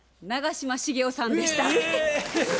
長嶋茂雄さんでした。